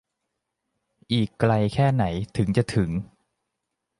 อีกไกลแค่ไหนถึงจะถึง